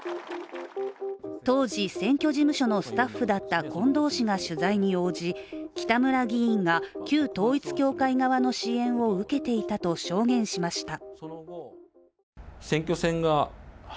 当時選挙事務所のスタッフだった近藤氏が取材に応じ、北村議員が旧統一教会側の支援を受けていたと証言しました。